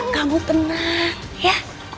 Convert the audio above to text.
kamu tenang ya